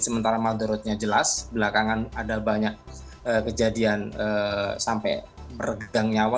sementara madorotnya jelas belakangan ada banyak kejadian sampai bergegang nyawa